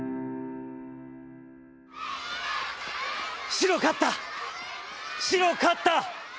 「白勝った、白勝った。